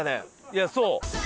いやそう。